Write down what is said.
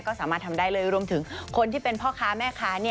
ก็สามารถทำได้เลยรวมถึงคนที่เป็นพ่อค้าแม่ค้า